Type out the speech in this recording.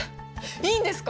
いいんですか？